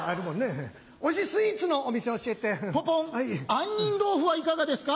杏仁豆腐はいかがですか？